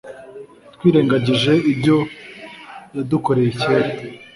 twirengagije ibyo yadukoreye kera